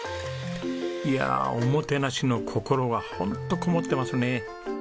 いやあおもてなしの心がホントこもってますね。